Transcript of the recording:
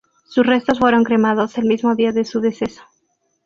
Sus restos fueron cremados el mismo día de su deceso.